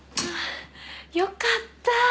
あよかった。